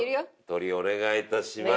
トリお願い致します。